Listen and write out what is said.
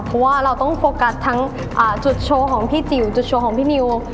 เพราะว่าเราต้องโฟกัสทั้งจุดโชว์ของพี่จิ๋วจุดโชว์ของพี่นิว